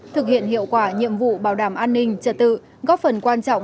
thực hiện hiệu quả nhiệm vụ bảo đảm an ninh trật tự góp phần quan trọng